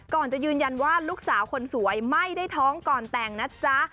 ก่อนจะยืนยันว่าลูกสาวคนสวยไม่ได้ท้องก่อนแต่งนะจ๊ะ